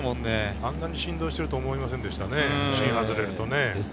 あんなに振動してると思いませんでしたね、芯が外れると。